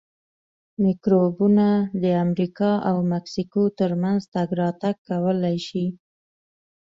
میکروبونه د امریکا او مکسیکو ترمنځ تګ راتګ کولای شي.